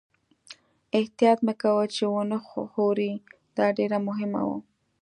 احتیاط مې کاوه چې و نه ښوري، دا ډېره مهمه وه.